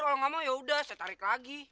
kalau gak mau yaudah saya tarik lagi